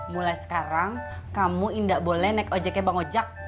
mulai sekarang kamu tidak boleh naik ojeknya bang ojek